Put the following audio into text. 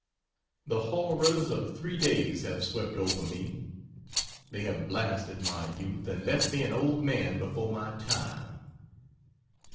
The horrors of three days have swept over me they have blasted my youth and left me an old man before my time.